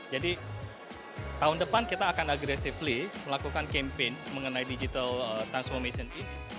jadi tahun depan kita akan agresif melakukan campaign mengenai digital transformation